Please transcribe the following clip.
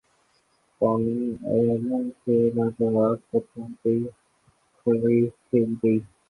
قومی ایئرلائن کے لاجواب کچن کی قلعی کھل گئی